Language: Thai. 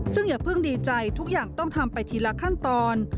ซึ่งอย่าเพิ่งดีใจทุกอย่างต้องทำไปทีละขั้นตอน